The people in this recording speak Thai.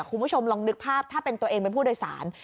คุณผู้ชมลองนึกภาพถ้าเป็นตัวเองเป็นผู้โดยสาร